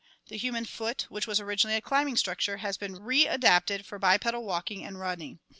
The human foot, which was originally a climbing structure, has been readapted for bipedal walking and running.